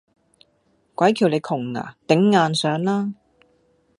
鬼叫你窮呀，頂硬上啦！